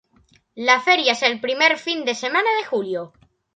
La feria es el primer fin de semana de julio.